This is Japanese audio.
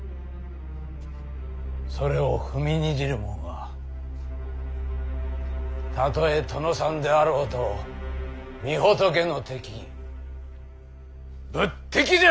それを踏みにじるもんはたとえ殿さんであろうと御仏の敵仏敵じゃ！